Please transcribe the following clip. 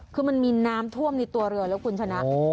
คือมันมีน้ำท่วมในตัวเรือแล้วคุณชนะ